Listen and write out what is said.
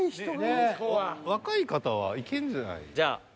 若い方はいけるんじゃない？